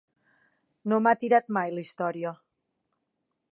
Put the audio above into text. No m'ha tirat mai la història.